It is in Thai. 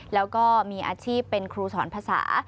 แล้วก็มีอาชีพเป็นครูสอนภาษา